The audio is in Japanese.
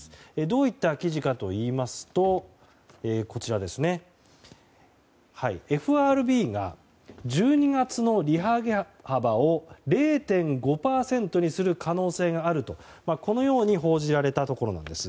どういった記事かといいますとＦＲＢが、１２月の利上げ幅を０．５％にする可能性があるとこのように報じられたところなんです。